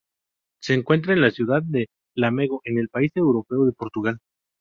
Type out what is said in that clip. Se encuentra en la ciudad de Lamego en el país europeo de Portugal.